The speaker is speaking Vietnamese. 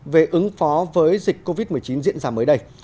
về ứng phó với dịch covid một mươi chín diễn ra mới đây